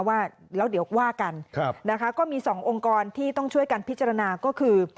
ว่าแล้วเดี๋ยวว่ากันนะคะก็มีสององค์กรที่ต้องช่วยกันพิจารณาก็คือ